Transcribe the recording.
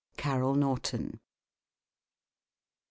Carrol Norton.